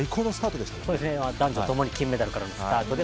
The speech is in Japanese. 男女ともに金メダルからのスタートで。